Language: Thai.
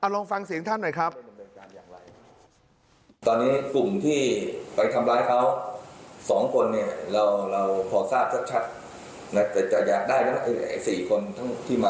ลองฟังเสียงท่านหน่อยครับ